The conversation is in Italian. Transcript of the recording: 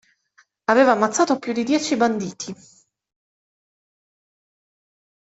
Aveva ammazzato più di dieci banditi.